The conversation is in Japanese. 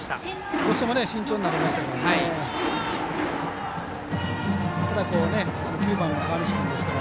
どうしても慎重になりましたかね。